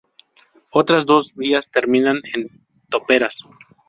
Otras dos vías terminan en toperas.